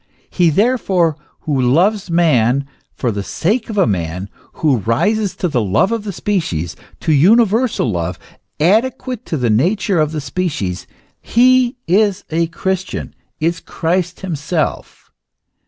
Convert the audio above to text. He therefore who loves man for the sake of man, who rises to the love of the species, to universal love, adequate to the nature of the species,* he is a Christian, is Christ him self.